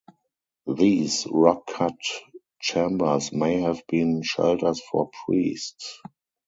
These rock-cut chambers may have been shelters for priests.